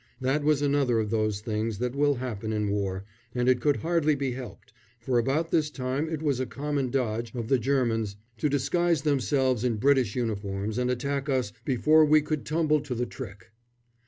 That was another of those things that will happen in war, and it could hardly be helped, for about this time it was a common dodge of the Germans to disguise themselves in British uniforms and attack us before we could tumble to the trick.